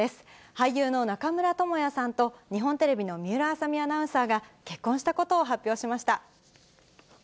俳優の中村倫也さんと、日本テレビの水卜麻美アナウンサーが、結婚したことを発表しました。